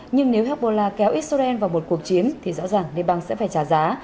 nhưng nếu hezbollah kéo israel vào một cuộc chiến thì rõ ràng liên bang sẽ phải trả giá